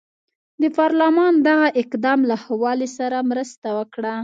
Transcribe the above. د پارلمان دغه اقدام له ښه والي سره مرسته وکړه.